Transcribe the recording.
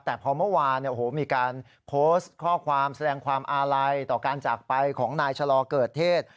แต่พอเมื่อวานมีการโพสต์ข้อความแสดงความอาลัยต่อการจากไปของนายชะลอเกิดเทศ